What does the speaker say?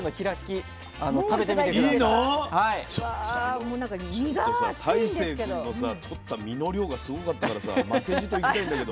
ちょっとさ大聖くんのさ取った身の量がすごかったからさ負けじといきたいんだけど。